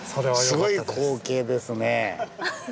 すごい光景ですね。